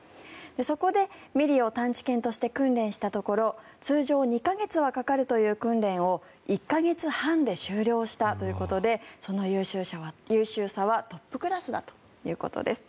そこで、ミリを探知犬として訓練したところ通常２か月はかかるという訓練を１か月半で終了したということでその優秀さはトップクラスだということです。